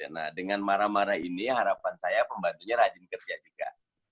nah dengan marah marah ini harapan saya pembantunya rajin kerja juga